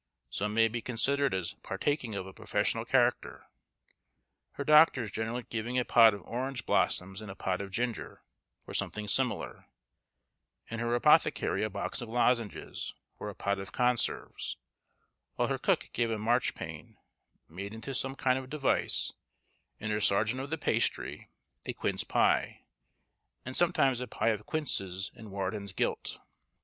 Some may be considered as partaking of a professional character: her doctors generally giving a pot of orange blossoms and a pot of ginger, or something similar; and her apothecary a box of lozenges, or a pot of conserves; while her cook gave a marchpane, made into some kind of device; and her serjeant of the pastry, a quince pie, and sometimes a pie of quinces and wardens gilt.